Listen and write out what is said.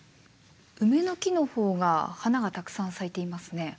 ウメの木の方が花がたくさん咲いていますね。